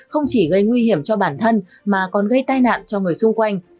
không chỉ gây nguy hiểm cho bản thân mà còn gây tai nạn cho người xung quanh